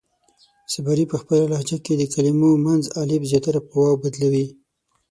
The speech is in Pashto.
صبري پۀ خپله لهجه کې د کلمو منځ الف زياتره پۀ واو بدلوي.